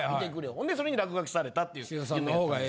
ほんでそれに落書きされたっていう夢やったんですけど。